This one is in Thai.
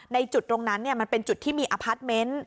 จุดตรงนั้นมันเป็นจุดที่มีอพาร์ทเมนต์